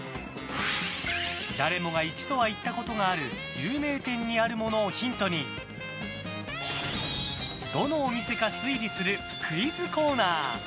誰もが一度は行ったことがある有名店にあるものをヒントにどのお店か推理するクイズコーナー。